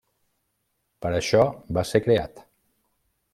Per això va ser creat.